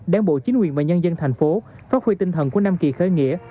đáng bộ chính quyền và nhân dân thành phố phát huy tinh thần của năm kỳ khơi nghĩa